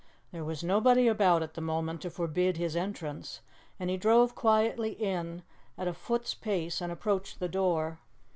There was nobody about at the moment to forbid his entrance, and he drove quietly in at a foot's pace and approached the door.